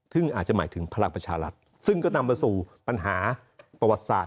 ซึ่งอาจจะหมายถึงพลังประชารัฐซึ่งก็นำมาสู่ปัญหาประวัติศาสต